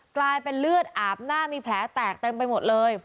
กลายเป็นเลือดอาบหน้ามีแผลแตกเต็มไปหมดเลย